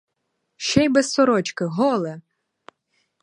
Ще й без сорочки, голе!